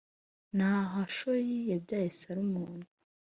Nahashoni yabyaye Salumoni